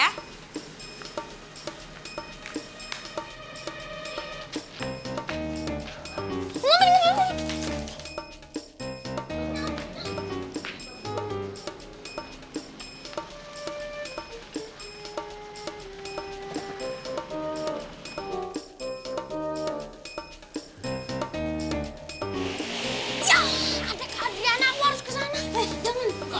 ya adek adeliana aku harus kesana